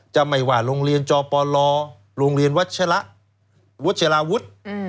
จะไม่ว่าโรงเรียนจอปลอโรงเรียนวัชลาวุธ